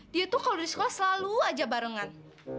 dia tuh kalau di sekolah selalu aja barengan